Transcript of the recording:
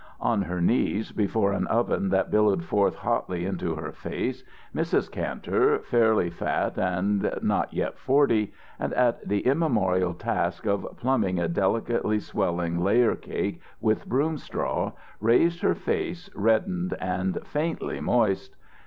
On her knees before an oven that billowed forth hotly into her face, Mrs. Kantor, fairly fat and not yet forty, and at the immemorial task of plumbing a delicately swelling layer cake with broom straw, raised her face, reddened and faintly moist.